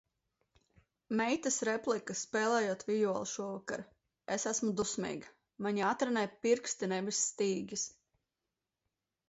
Meitas replikas, spēlējot vijoli šovakar - es esmu dusmīga!... man jātrenē pirksti, nevis stīgas!...